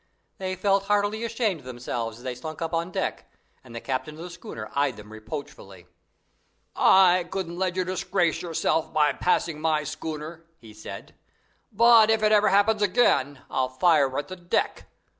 They felt heartily ashamed of themselves as they slunk up on deck, and the captain of the schooner eyed them reproachfully. "I couldn't let you disgrace yourselves by passing my schooner," he said; "but if it ever happens again I'll fire at the deck.